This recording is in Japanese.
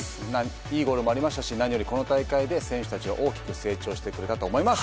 いいゴールもありましたし何よりこの大会で選手たちは大きく成長してくれたと思います。